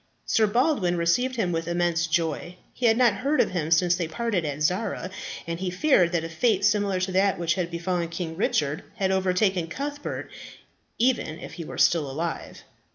Sir Baldwin received him with immense joy. He had not heard of him since they parted at Zara, and he feared that a fate similar to that which had befallen King Richard had overtaken Cuthbert, even if he were still alive.